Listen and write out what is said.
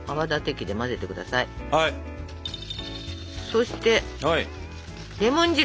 そしてレモン汁。